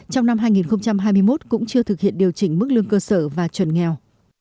trong năm hai nghìn hai mươi một cũng chưa thực hiện điều chỉnh mức lương cơ sở và chuẩn nghèo